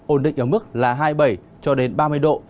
ổn định ở mức là hai mươi bảy cho đến ba mươi độ